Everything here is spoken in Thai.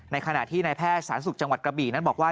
ขณะที่นายแพทย์สาธารณสุขจังหวัดกระบี่นั้นบอกว่า